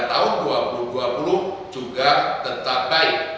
tahun dua ribu dua puluh juga tercapai